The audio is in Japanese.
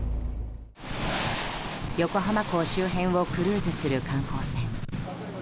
横浜港周辺をクルーズする観光船。